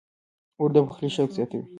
اوړه د پخلي شوق زیاتوي